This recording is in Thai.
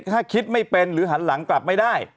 ถ้าคิดไม่เป็นหรือหันหลังกลับไม่ได้